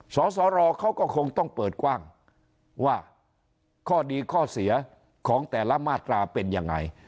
สสรเขาก็คงต้องเปิดกว้างว่าข้อดีข้อเสียของแต่ละมาตราเป็นยังไง